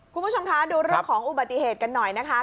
คุณผู้ชมคะดูเรื่องของอุบัติเหตุกันหน่อยนะคะ